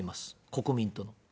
国民との。